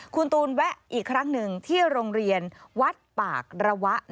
คุณตูนแวะอีกครั้งหนึ่งที่โรงเรียนวัดปากระวะ